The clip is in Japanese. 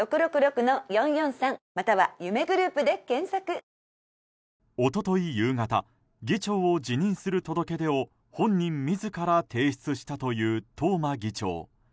脂肪に選べる「コッコアポ」一昨日夕方議長を辞任する届け出を本人自ら提出したという東間議長。